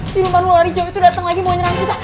siluman ular hijau itu datang lagi mau nyerang kita